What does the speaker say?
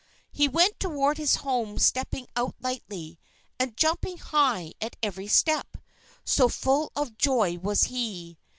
He went toward his home stepping out lightly, and jumping high at every step, so full of joy was he.